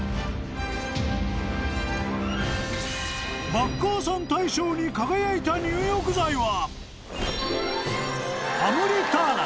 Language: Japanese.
［バッカーさん大賞に輝いた入浴剤は］